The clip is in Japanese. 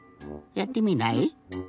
やってみない？